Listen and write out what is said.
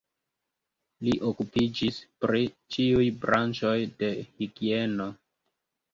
Li okupiĝis pri ĉiuj branĉoj de higieno.